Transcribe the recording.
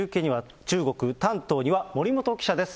中国・丹東には森本記者です。